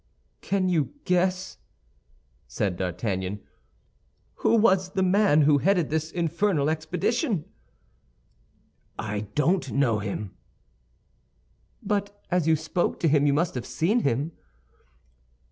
"Can you guess," said D'Artagnan, "who was the man who headed this infernal expedition?" "I don't know him." "But as you spoke to him you must have seen him."